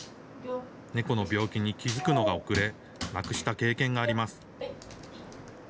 猫の病気に気付くのが遅れ、亡くした経験があります。